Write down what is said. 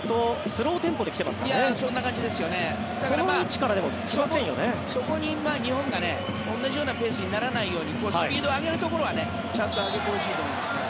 だからそこに日本が同じようなペースにならないようにスピードを上げるところはちゃんと上げてほしいと思いますね。